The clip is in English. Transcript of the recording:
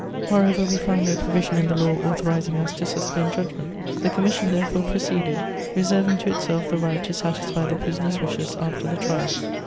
Moreover, we found no provision in the law authorizing us to suspend judgment. The commission therefore proceeded, reserving to itself the right to satisfy the prisoner's wishes after the trial."